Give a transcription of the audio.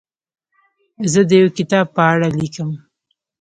زه د یو کتاب په اړه لیکم.